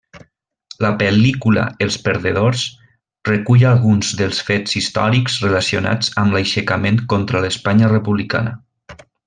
La pel·lícula Els perdedors recull alguns dels fets històrics relacionats amb l'aixecament contra l'Espanya Republicana.